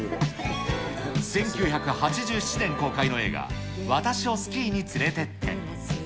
１９８７年公開の映画、私をスキーに連れてって。